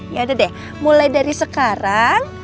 yaudah deh mulai dari sekarang